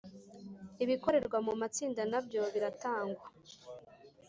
Ibikorerwa mu matsinda nabyo biratangwa